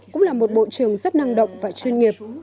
cũng là một bộ trưởng rất năng động và chuyên nghiệp